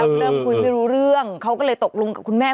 เริ่มคุยไม่รู้เรื่องเขาก็เลยตกลงกับคุณแม่